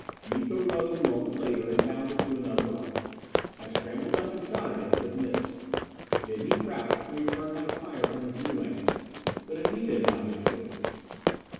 Miko rose a moment later and bounded to another rock. I scrambled up, and shot at him, but missed. Then he crouched and returned my fire from his new angle; but Anita and I had shifted.